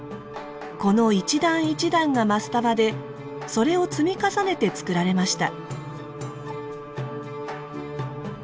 この一段一段がマスタバでそれを積み重ねてつくられました。